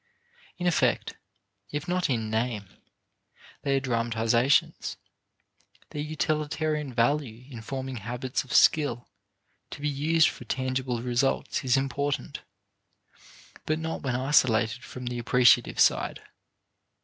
In effect, if not in name, they are dramatizations. Their utilitarian value in forming habits of skill to be used for tangible results is important, but not when isolated from the appreciative side.